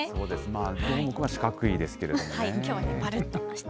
どーもくんは四角いですけどね。